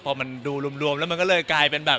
พอมันดูรวมแล้วมันก็เลยกลายเป็นแบบ